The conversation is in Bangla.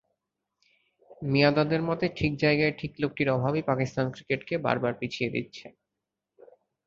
মিয়াঁদাদের মতে, ঠিক জায়গায় ঠিক লোকটির অভাবই পাকিস্তান ক্রিকেটকে বারবার পিছিয়ে দিচ্ছে।